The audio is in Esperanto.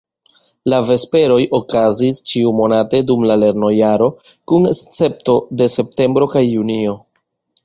La Vesperoj okazis ĉiumonate dum la lernojaro kun escepto de septembro kaj junio.